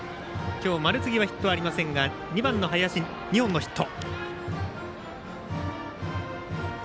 丸次、ヒットありませんが２番の林、２本のヒット。